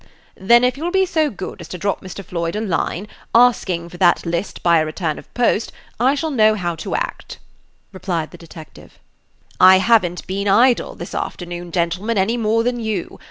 "Then, if you'll be so good as to drop Mr. Floyd a line, asking for that list by a return of post, I shall know how to act," replied the detective. "I have n't been idle this afternoon, gentlemen, any more than you.